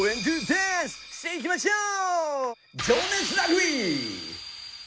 さあいきましょう！